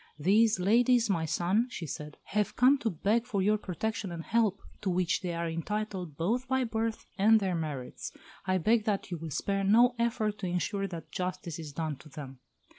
"These ladies, my son," she said, "have come to beg for your protection and help, to which they are entitled both by birth and their merits. I beg that you will spare no effort to ensure that justice is done to them."